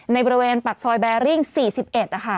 ในบริเวณปากซอยแบริ่ง๔๑นะคะ